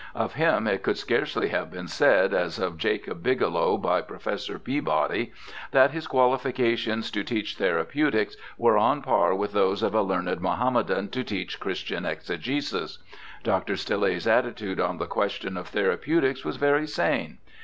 Of him it could scarcely have been said, as of Jacob Bigelow by Professor Peabody, that his 242 BIOGRAPHICAL ESSAYS qualifications to teach therapeutics were on a par with those of a learned Mohammedan to teach Christian exegesis. Dr. Stille's attitude on the question of thera peutics was very sane.